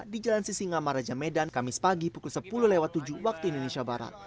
di jalan sisi ngamar raja medan kamis pagi pukul sepuluh tujuh waktu indonesia barat